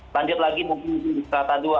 lanjut lagi mungkin di serata dua